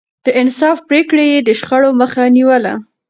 د انصاف پرېکړې يې د شخړو مخه نيوله.